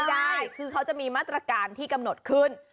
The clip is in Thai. ได้คือเขาจะมีมาตรการที่กำหนดขึ้น